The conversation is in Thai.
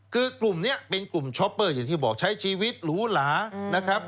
คือกลุ่มนี้เป็นกลุ่มช้อปเปอร์อย่างที่บอกใช้ชีวิตหรูหลานะครับ